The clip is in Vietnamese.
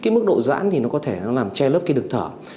mức độ dãn có thể làm che lớp đường thở